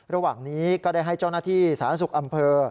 ระหว่างนี้ก็ได้ให้เจ้าหน้าที่สาธารณสุขอำเภอ